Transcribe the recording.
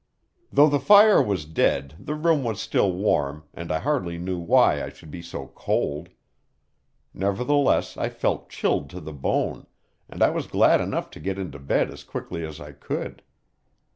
Though the fire was dead, the room was still warm, and I hardly knew why I should be so cold. Nevertheless, I felt chilled to the bone, and I was glad enough to get into bed as quickly as I could.